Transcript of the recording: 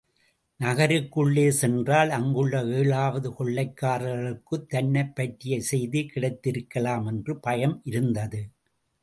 நகருக்குள்ளே சென்றால், அங்குள்ள ஏழாவது கொள்கைக்காரர்களுக்குத் தன்னைப் பற்றிய செய்தி கிடைத்திருக்கலாம் என்ற பயம் இருந்தது.